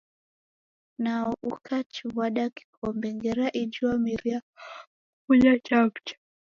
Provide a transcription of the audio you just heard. Nao ukachiw'ada kikombe, ngera iji w'ameria wafunya chawucha.